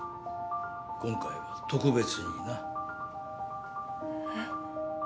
今回は特別にな。えっ？